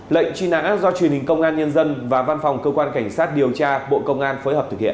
lệnh truy nã do truyền hình công an nhân dân và văn phòng cơ quan cảnh sát điều tra bộ công an phối hợp thực hiện